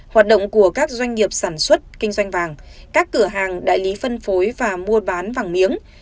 hoạt động của các doanh nghiệp sản xuất kinh doanh vàng các cửa hàng đại lý phân phối và mua bán vàng miếng